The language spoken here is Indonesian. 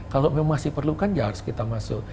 kalau memang diperlukan ya harus kita masuk